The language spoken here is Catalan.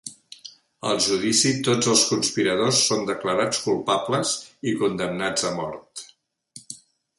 Al judici, tots els conspiradors són declarats culpables i condemnats a mort.